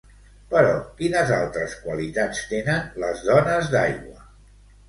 Però, quines altres qualitats tenen les dones d'aigua?